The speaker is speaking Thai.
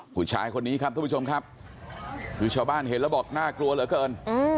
ผู้ชายคนนี้ครับทุกผู้ชมครับคือชาวบ้านเห็นแล้วบอกน่ากลัวเหลือเกิน